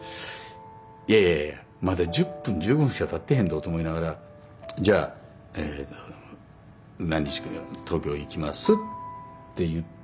いやいやまだ１０分１５分しかたってへんぞと思いながらじゃ何日に東京に行きますって言って。